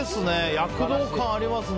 躍動感ありますね。